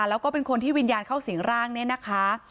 แล้วก็เป็นคนที่วิญญาณเข้าสิงร่างเนี่ยนะคะ